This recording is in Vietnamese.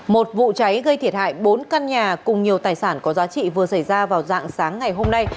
một vụ cháy gây thiệt hại bốn căn nhà cùng nhiều tài sản có giá trị vừa xảy ra vào dạng sáng ngày hôm nay